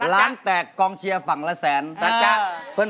ร้านแตกกองเชียร์ฝั่งละแสน